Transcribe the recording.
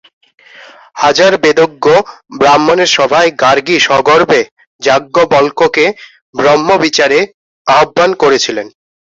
হাজার বেদজ্ঞ ব্রাহ্মণের সভায় গার্গী সগর্বে যাজ্ঞবল্ক্যকে ব্রহ্মবিচারে আহ্বান করেছিলেন।